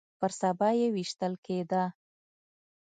پر سبا يې ويشتل کېده.